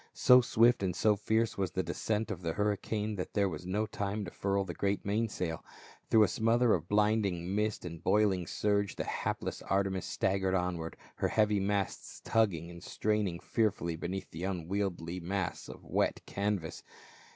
So swift and so fierce was the descent of the hurri cane that there was no time to furl the great main sail. Through a smother of blinding mist and boiling surge the hapless Arteims staggered onward, her heavy masts tugging and straining fearfully beneath the unwieldly mass of wet canvas.